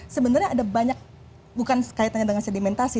sebenarnya ada banyak bukan kaitannya dengan sedimentasi